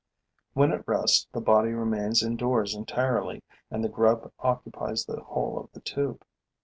When at rest, the body remains indoors entirely and the grub occupies the whole of the tube.